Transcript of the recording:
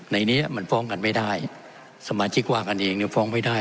ในนี้มันฟ้องกันไม่ได้สมาชิกว่ากันเองเนี่ยฟ้องไม่ได้